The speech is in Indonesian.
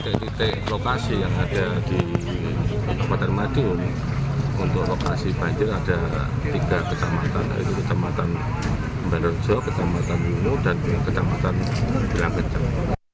dari titik lokasi yang ada di kabupaten madiun untuk lokasi banjir ada tiga kecamatan yaitu kecamatan embarjo kecamatan mulu dan kecamatan bilang kencang